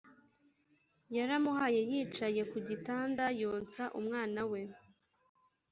yaramuhaye Yicaye ku gitanda yonsa umwana we